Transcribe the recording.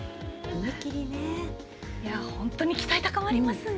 本当に期待高まりますね。